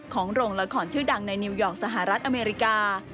โรงละครชื่อดังในนิวยอร์กสหรัฐอเมริกา